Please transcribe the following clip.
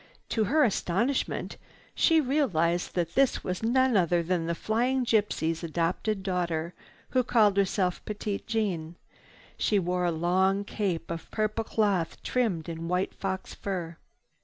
To her astonishment she realized that this was none other than the flying gypsy's adopted daughter who called herself Petite Jeanne. She wore a long cape of purple cloth trimmed with white fox fur.